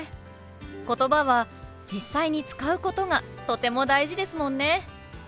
ことばは実際に使うことがとても大事ですもんね。